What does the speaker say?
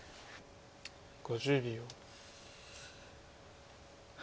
５０秒。